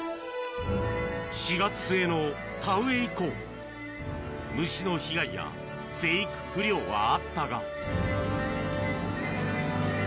４月末の田植え以降、虫の被害や生育不良はあったが。